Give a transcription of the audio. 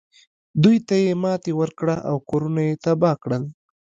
دوی ته یې ماتې ورکړه او کورونه یې تباه کړل.